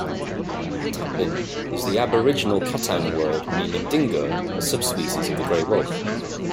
"Tapin" is the Aboriginal Kattang word meaning dingo, a subspecies of the grey wolf.